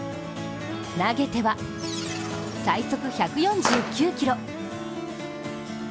投げては、最速１４９キロ。